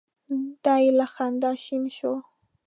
دی له خندا شین شو.